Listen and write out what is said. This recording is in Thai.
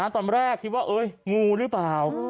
ตอนแรกคิดว่างูหรือเปล่า